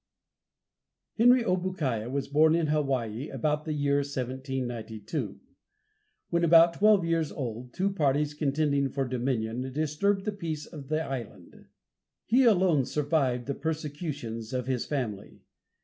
Henry Obookiah was born in Hawaii, about the year 1792. When about twelve years old, two parties contending for dominion, disturbed the peace of the island. He alone survived the persecution of his family.